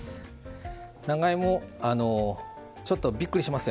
長芋ちょっとびっくりしますよね。